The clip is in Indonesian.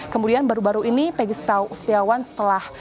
kemudian baru baru ini pegi setiawan setelah